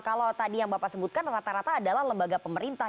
kalau tadi yang bapak sebutkan rata rata adalah lembaga pemerintah